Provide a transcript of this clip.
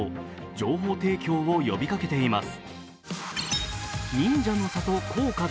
情報提供を呼びかけています。